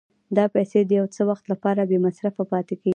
دا پیسې د یو څه وخت لپاره بې مصرفه پاتې کېږي